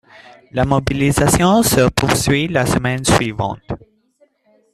La mobilisation se poursuit la semaine suivante.